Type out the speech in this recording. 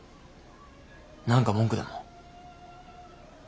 何か文句でも？